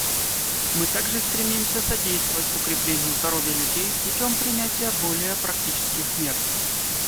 Мы также стремимся содействовать укреплению здоровья людей путем принятия более практических мер.